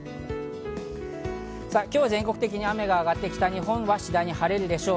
今日は全国的に雨が上がって、北日本は次第に晴れるでしょう。